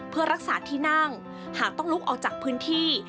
เพื่อรักษาที่นั่งหากต้องลุกออกจากพื้นที่